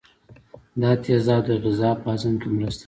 دا تیزاب د غذا په هضم کې مرسته کوي.